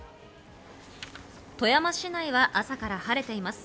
富山市内は朝から晴れています。